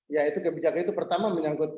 yaitu kebijakan itu pertama menyangkut